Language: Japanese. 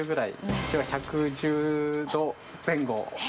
うちは１１０度前後。